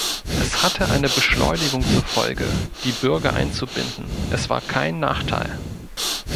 Es hatte eine Beschleunigung zur Folge, die Bürger einzubinden, es war kein Nachteil.